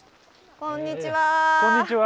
こんにちは。